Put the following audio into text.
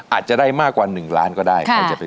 อาจจะได้มากกว่า๑ล้านก็ได้